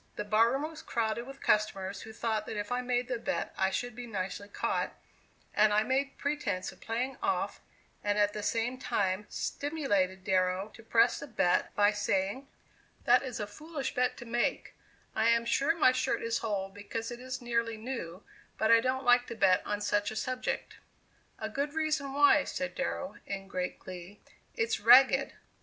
The bar room was crowded with customers who thought that if I made the bet I should be nicely caught, and I made pretence of playing off and at the same time stimulated Darrow to press the bet by saying: "That is a foolish bet to make; I am sure my shirt is whole because it is nearly new; but I don't like to bet on such a subject." "A good reason why," said Darrow, in great glee; "it's ragged.